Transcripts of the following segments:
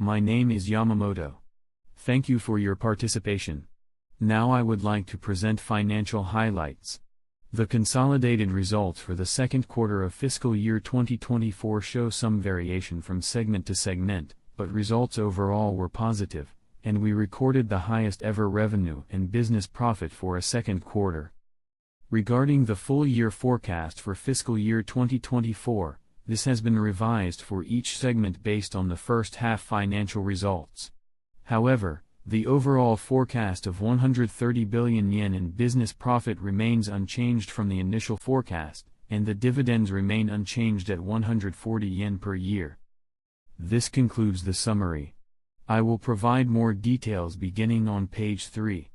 My name is Yamamoto. Thank you for your participation. Now I would like to present financial highlights. The consolidated results for the Q2 of fiscal year 2024 show some variation from segment to segment, but results overall were positive, and we recorded the highest-ever revenue and business profit for a Q2. Regarding the full-year forecast for fiscal year 2024, this has been revised for each segment based on the first-half financial results. However, the overall forecast of 130 billion yen in business profit remains unchanged from the initial forecast, and the dividends remain unchanged at 140 yen per year. This concludes the summary. I will provide more details beginning on page 3.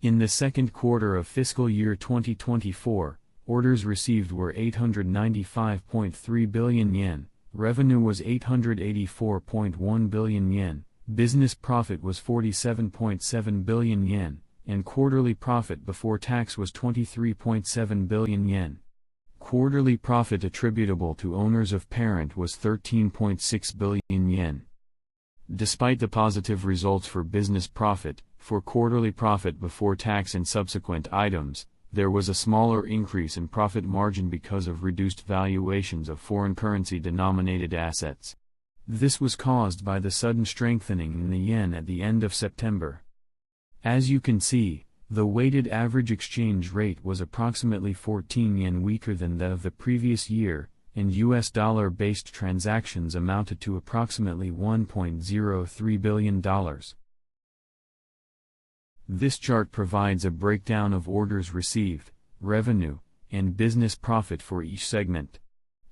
In the Q2 of fiscal year 2024, orders received were 895.3 billion yen, revenue was 884.1 billion yen, business profit was 47.7 billion yen, and quarterly profit before tax was 23.7 billion yen. Quarterly profit attributable to owners of parent was 13.6 billion yen. Despite the positive results for business profit, for quarterly profit before tax and subsequent items, there was a smaller increase in profit margin because of reduced valuations of foreign currency-denominated assets. This was caused by the sudden strengthening in the yen at the end of September. As you can see, the weighted average exchange rate was approximately 14 yen weaker than that of the previous year, and U.S. dollar-based transactions amounted to approximately $1.03 billion. This chart provides a breakdown of orders received, revenue, and business profit for each segment.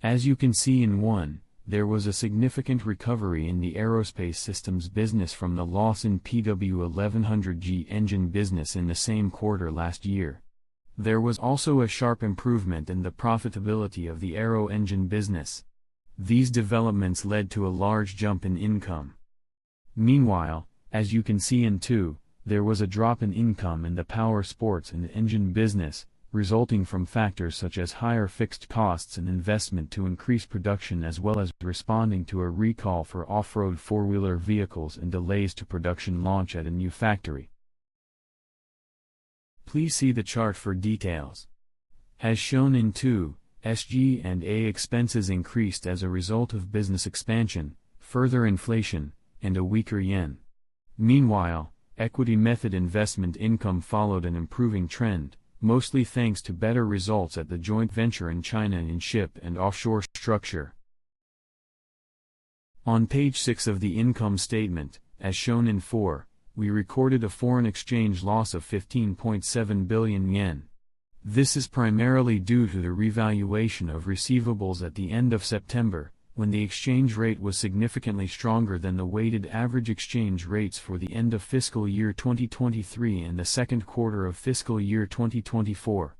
As you can see in one, there was a significant recovery in the Aerospace Systems business from the loss in PW1100G engine business in the same quarter last year. There was also a sharp improvement in the profitability of the Aero Engine business. These developments led to a large jump in income. Meanwhile, as you can see in two, there was a drop in income in the Powersports and Engine business, resulting from factors such as higher fixed costs and investment to increase production, as well as responding to a recall for off-road four-wheeler vehicles and delays to production launch at a new factory. Please see the chart for details. As shown in two, SG&A expenses increased as a result of business expansion, further inflation, and a weaker yen. Meanwhile, equity method investment income followed an improving trend, mostly thanks to better results at the joint venture in China in Ship and Offshore structure. On page 6 of the income statement, as shown in four, we recorded a foreign exchange loss of 15.7 billion yen. This is primarily due to the revaluation of receivables at the end of September, when the exchange rate was significantly stronger than the weighted average exchange rates for the end of fiscal year 2023 and the Q2 of fiscal year 2024.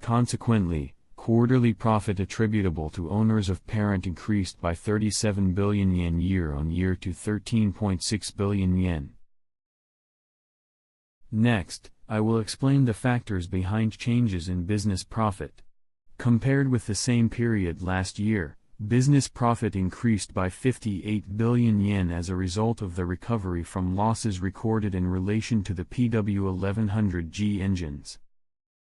Consequently, quarterly profit attributable to owners of parent increased by 37 billion yen year on year to 13.6 billion yen. Next, I will explain the factors behind changes in business profit. Compared with the same period last year, business profit increased by 58 billion yen as a result of the recovery from losses recorded in relation to the PW1100G engines.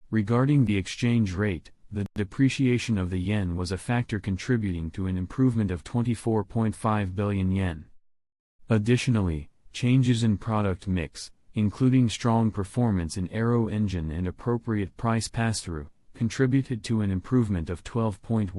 Regarding the exchange rate, the depreciation of the yen was a factor contributing to an improvement of 24.5 billion yen. Additionally, changes in product mix, including strong performance in Aero engine and appropriate price pass-through, contributed to an improvement of 12.1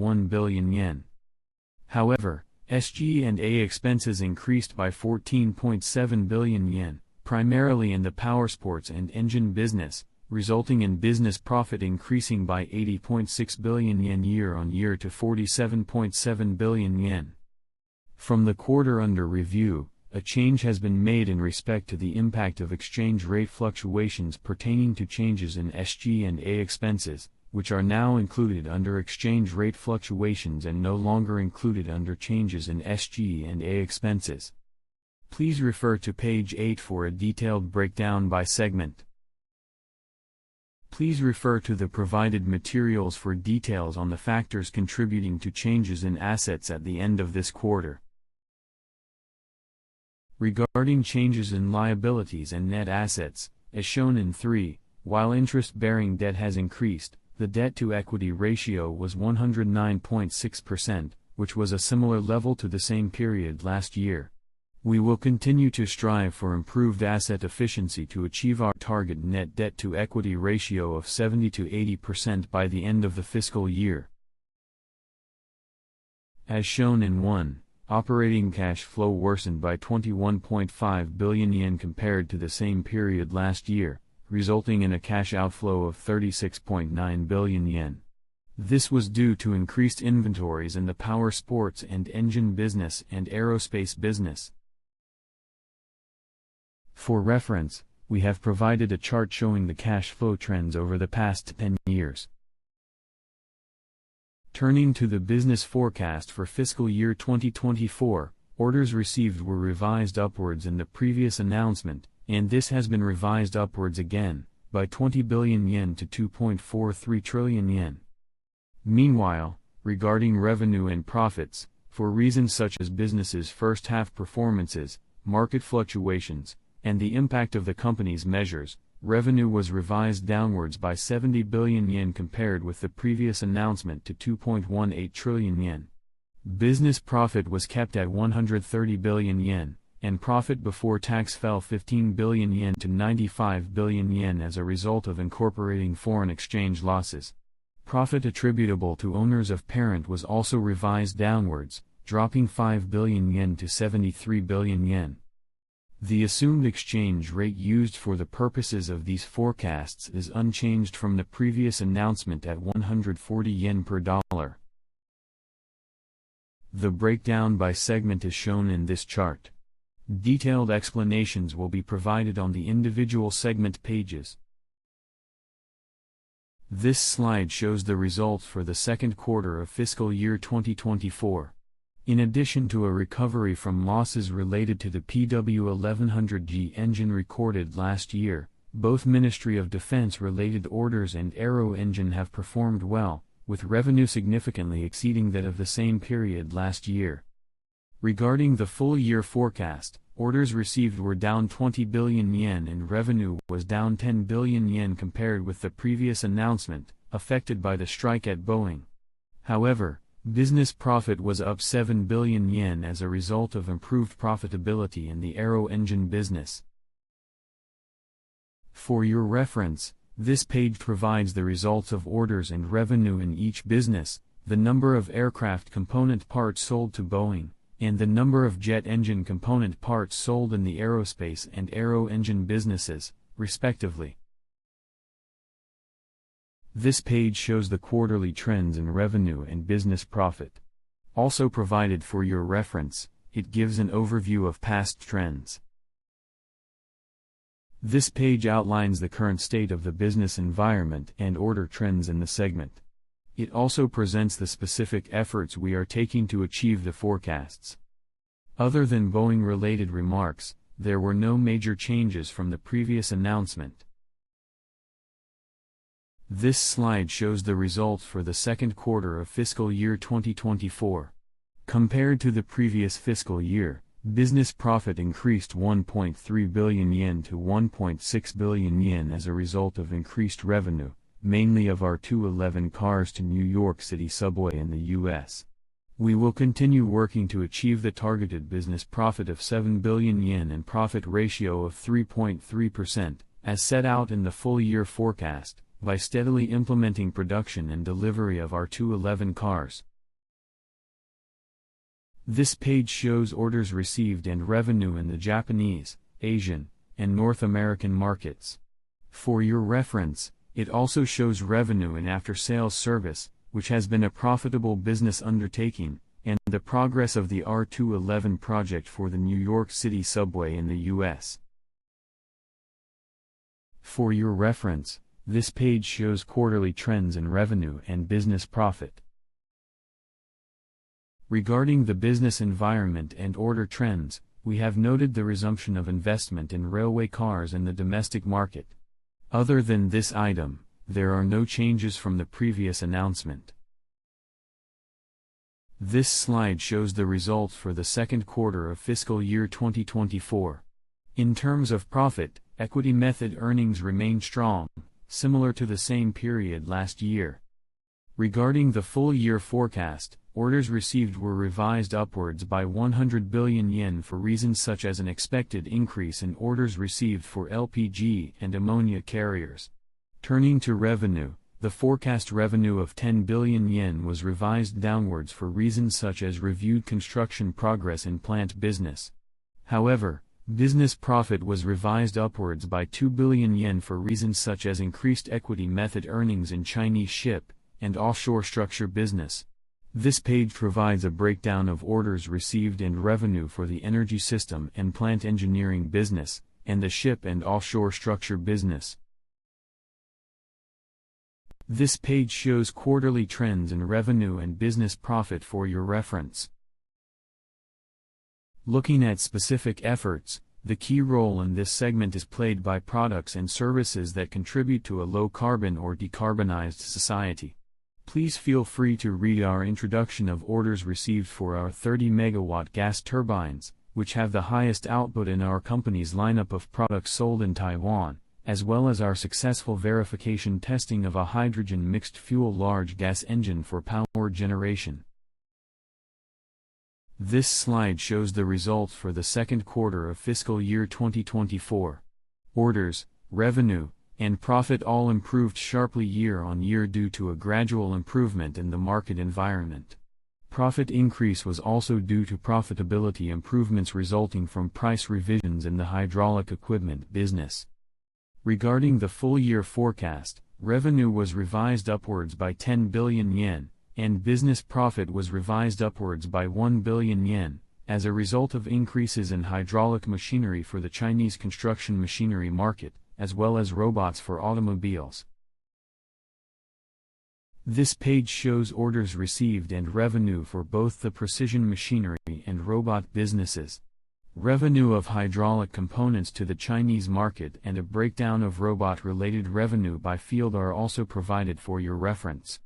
billion yen. However, SG&A expenses increased by 14.7 billion yen, primarily in the Powersports and Engine business, resulting in business profit increasing by 80.6 billion yen year on year to 47.7 billion yen. From the quarter under review, a change has been made in respect to the impact of exchange rate fluctuations pertaining to changes in SG&A expenses, which are now included under exchange rate fluctuations and no longer included under changes in SG&A expenses. Please refer to page 8 for a detailed breakdown by segment. Please refer to the provided materials for details on the factors contributing to changes in assets at the end of this quarter. Regarding changes in liabilities and net assets, as shown in three, while interest-bearing debt has increased, the debt-to-equity ratio was 109.6%, which was a similar level to the same period last year. We will continue to strive for improved asset efficiency to achieve our target net debt-to-equity ratio of 70-80% by the end of the fiscal year. As shown in one, operating cash flow worsened by 21.5 billion yen compared to the same period last year, resulting in a cash outflow of 36.9 billion yen. This was due to increased inventories in the Powersports and engine business and aerospace business. For reference, we have provided a chart showing the cash flow trends over the past 10 years. Turning to the business forecast for fiscal year 2024, orders received were revised upwards in the previous announcement, and this has been revised upwards again by 20 billion yen to 2.43 trillion yen. Meanwhile, regarding revenue and profits, for reasons such as business's first-half performances, market fluctuations, and the impact of the company's measures, revenue was revised downwards by 70 billion yen compared with the previous announcement to 2.18 trillion yen. Business profit was kept at 130 billion yen, and profit before tax fell 15 billion yen to 95 billion yen as a result of incorporating foreign exchange losses. Profit attributable to owners of parent was also revised downwards, dropping 5 billion yen to 73 billion yen. The assumed exchange rate used for the purposes of these forecasts is unchanged from the previous announcement at 140 yen per dollar. The breakdown by segment is shown in this chart. Detailed explanations will be provided on the individual segment pages. This slide shows the results for the Q2 of fiscal year 2024. In addition to a recovery from losses related to the PW1100G engine recorded last year, both Ministry of Defense-related orders and Aero engine have performed well, with revenue significantly exceeding that of the same period last year. Regarding the full-year forecast, orders received were down 20 billion yen and revenue was down 10 billion yen compared with the previous announcement, affected by the strike at Boeing. However, business profit was up 7 billion yen as a result of improved profitability in the Aero engine business. For your reference, this page provides the results of orders and revenue in each business, the number of aircraft component parts sold to Boeing, and the number of jet engine component parts sold in the aerospace and Aero engine businesses, respectively. This page shows the quarterly trends in revenue and business profit. Also provided for your reference, it gives an overview of past trends. This page outlines the current state of the business environment and order trends in the segment. It also presents the specific efforts we are taking to achieve the forecasts. Other than Boeing-related remarks, there were no major changes from the previous announcement. This slide shows the results for the Q2 of fiscal year 2024. Compared to the previous fiscal year, business profit increased 1.3 billion yen to 1.6 billion yen as a result of increased revenue, mainly of R211 cars to New York City Subway in the U.S. We will continue working to achieve the targeted business profit of 7 billion yen and profit ratio of 3.3%, as set out in the full-year forecast, by steadily implementing production and delivery of R211 cars. This page shows orders received and revenue in the Japanese, Asian, and North American markets. For your reference, it also shows revenue in after-sales service, which has been a profitable business undertaking, and the progress of the R211 project for the New York City subway in the U.S. For your reference, this page shows quarterly trends in revenue and business profit. Regarding the business environment and order trends, we have noted the resumption of investment in railway cars in the domestic market. Other than this item, there are no changes from the previous announcement. This slide shows the results for the Q2 of fiscal year 2024. In terms of profit, equity method earnings remain strong, similar to the same period last year. Regarding the full-year forecast, orders received were revised upwards by 100 billion yen for reasons such as an expected increase in orders received for LPG and ammonia carriers. Turning to revenue, the forecast revenue of 10 billion yen was revised downwards for reasons such as reviewed construction progress in plant business. However, business profit was revised upwards by 2 billion yen for reasons such as increased equity method earnings in Chinese Ship and Offshore Structure business. This page provides a breakdown of orders received and revenue for the Energy System and Plant Engineering business, and the Ship and Offshore Structure business. This page shows quarterly trends in revenue and business profit for your reference. Looking at specific efforts, the key role in this segment is played by products and services that contribute to a low-carbon or decarbonized society. Please feel free to read our introduction of orders received for our 30 MW gas turbines, which have the highest output in our company's lineup of products sold in Taiwan, as well as our successful verification testing of a hydrogen mixed fuel large gas engine for power generation. This slide shows the results for the Q2 of fiscal year 2024. Orders, revenue, and profit all improved sharply year on year due to a gradual improvement in the market environment. Profit increase was also due to profitability improvements resulting from price revisions in the hydraulic equipment business. Regarding the full-year forecast, revenue was revised upwards by 10 billion yen, and business profit was revised upwards by 1 billion yen, as a result of increases in hydraulic machinery for the Chinese construction machinery market, as well as robots for automobiles. This page shows orders received and revenue for both the Precision Machinery and Robot businesses. Revenue of hydraulic components to the Chinese market and a breakdown of robot-related revenue by field are also provided for your reference.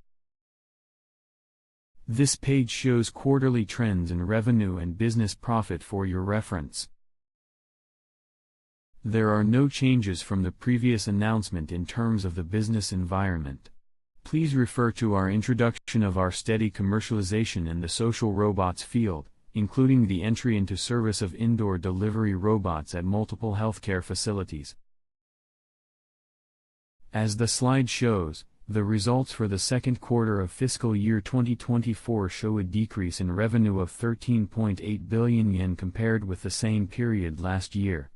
This page shows quarterly trends in revenue and business profit for your reference. There are no changes from the previous announcement in terms of the business environment. Please refer to our introduction of our steady commercialization in the social robots field, including the entry into service of indoor delivery robots at multiple healthcare facilities. As the slide shows, the results for the Q2 of fiscal year 2024 show a decrease in revenue of 13.8 billion yen compared with the same period last year.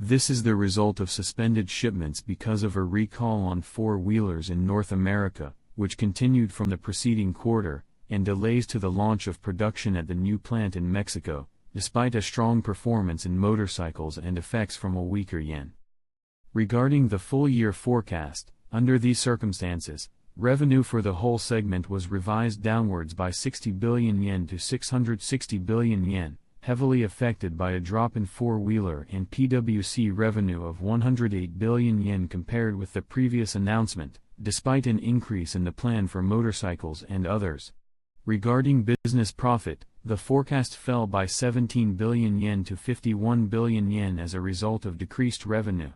This is the result of suspended shipments because of a recall on four-wheelers in North America, which continued from the preceding quarter, and delays to the launch of production at the new plant in Mexico, despite a strong performance in motorcycles and effects from a weaker yen. Regarding the full-year forecast, under these circumstances, revenue for the whole segment was revised downwards by 60 billion yen to 660 billion yen, heavily affected by a drop in four-wheeler and PWC revenue of 108 billion yen compared with the previous announcement, despite an increase in the plan for motorcycles and others. Regarding business profit, the forecast fell by 17 billion yen to 51 billion yen as a result of decreased revenue.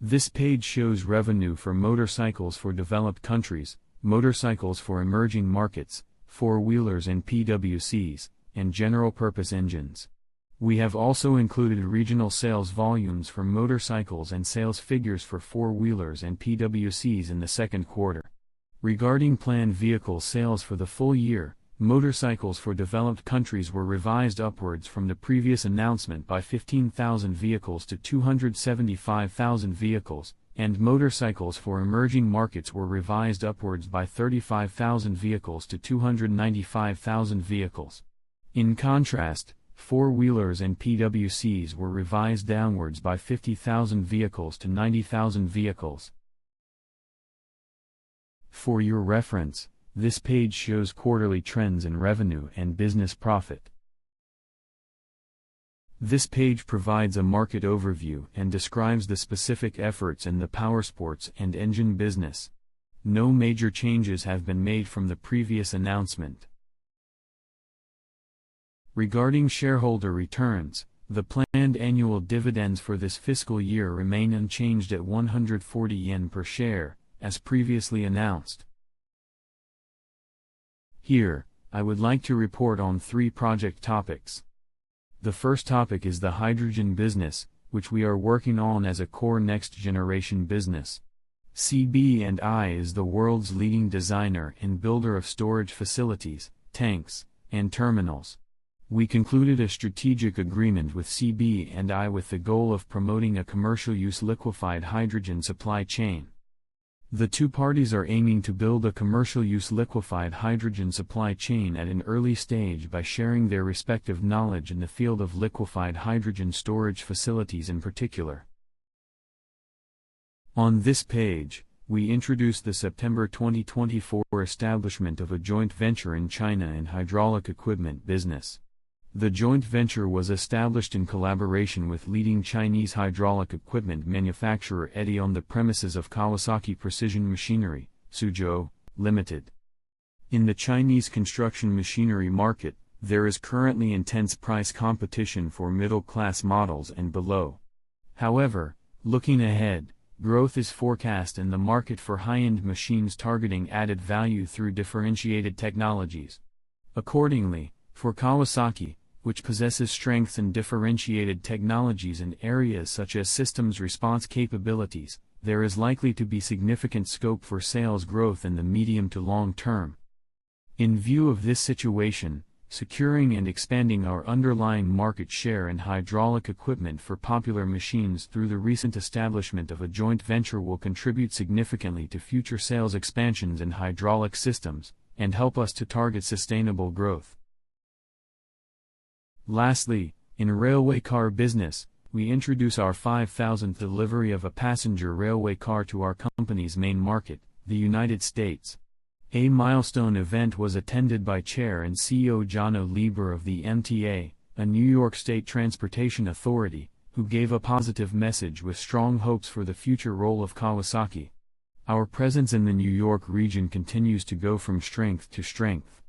This page shows revenue for motorcycles for developed countries, motorcycles for emerging markets, four-wheelers and PWCs, and general-purpose engines. We have also included regional sales volumes for motorcycles and sales figures for four-wheelers and PWCs in the Q2. Regarding planned vehicle sales for the full year, motorcycles for developed countries were revised upwards from the previous announcement by 15,000 vehicles to 275,000 vehicles, and motorcycles for emerging markets were revised upwards by 35,000 vehicles to 295,000 vehicles. In contrast, four-wheelers and PWCs were revised downwards by 50,000 vehicles to 90,000 vehicles. For your reference, this page shows quarterly trends in revenue and business profit. This page provides a market overview and describes the specific efforts in the power sports and engine business. No major changes have been made from the previous announcement. Regarding shareholder returns, the planned annual dividends for this fiscal year remain unchanged at 140 yen per share, as previously announced. Here, I would like to report on three project topics. The first topic is the hydrogen business, which we are working on as a core next-generation business. CB&I is the world's leading designer and builder of storage facilities, tanks, and terminals. We concluded a strategic agreement with CB&I with the goal of promoting a commercial-use liquefied hydrogen supply chain. The two parties are aiming to build a commercial-use liquefied hydrogen supply chain at an early stage by sharing their respective knowledge in the field of liquefied hydrogen storage facilities in particular. On this page, we introduce the September 2024 establishment of a joint venture in China in hydraulic equipment business. The joint venture was established in collaboration with leading Chinese hydraulic equipment manufacturer Hengli on the premises of Kawasaki Precision Machinery (Suzhou), Ltd. In the Chinese construction machinery market, there is currently intense price competition for middle-class models and below. However, looking ahead, growth is forecast in the market for high-end machines targeting added value through differentiated technologies. Accordingly, for Kawasaki, which possesses strengths in differentiated technologies in areas such as systems response capabilities, there is likely to be significant scope for sales growth in the medium to long term. In view of this situation, securing and expanding our underlying market share in hydraulic equipment for popular machines through the recent establishment of a joint venture will contribute significantly to future sales expansions in hydraulic systems and help us to target sustainable growth. Lastly, in railway car business, we introduce our 5,000th delivery of a passenger railway car to our company's main market, the United States. A milestone event was attended by Chair and CEO Janno Lieber of the MTA, a New York State transportation agency, who gave a positive message with strong hopes for the future role of Kawasaki. Our presence in the New York region continues to go from strength to strength.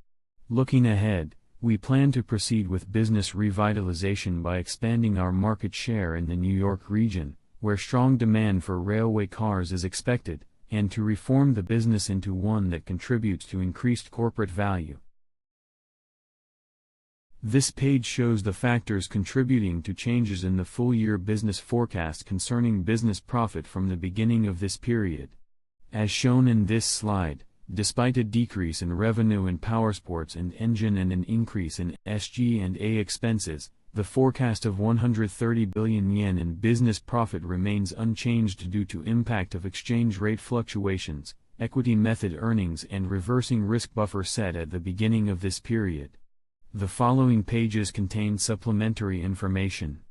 Looking ahead, we plan to proceed with business revitalization by expanding our market share in the New York region, where strong demand for railway cars is expected, and to reform the business into one that contributes to increased corporate value. This page shows the factors contributing to changes in the full-year business forecast concerning business profit from the beginning of this period. As shown in this slide, despite a decrease in revenue in power sports and engine and an increase in SG&A expenses, the forecast of 130 billion yen in business profit remains unchanged due to the impact of exchange rate fluctuations, equity method earnings, and reversing risk buffer set at the beginning of this period. The following pages contain supplementary information.